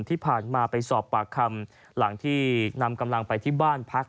ที่ผ่านมาไปสอบปากคำหลังที่นำกำลังไปที่บ้านพัก